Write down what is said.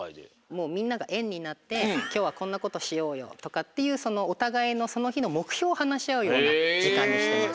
もうみんながえんになって「きょうはこんなことしようよ」とかっていうそのおたがいのそのひのもくひょうをはなしあうようなじかんにしてます。